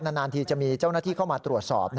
นานทีจะมีเจ้าหน้าที่เข้ามาตรวจสอบ